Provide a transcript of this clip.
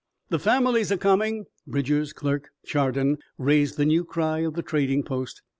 "The families are coming!" Bridger's clerk, Chardon, raised the new cry of the trading post.